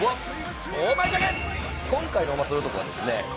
今回のお祭り男はですね